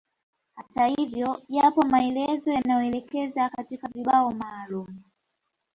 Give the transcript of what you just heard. Hata hivyo yapo maelezo yanaoelekeza katika vibao maalumu